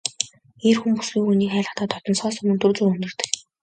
Эр хүн бүсгүй хүнийг хайрлахдаа дотносохоосоо өмнө түр зуур хөндийрдөг.